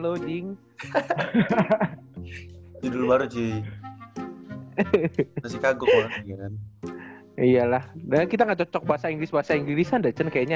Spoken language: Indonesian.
anjing hahaha judul baru di iyalah kita nggak cocok bahasa inggris bahasa inggris andacen kayaknya